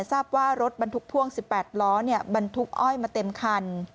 ทราบว่ารถบรรทุกพ่วง๑๘ล้อบรรทุกอ้อยมาเต็มคัน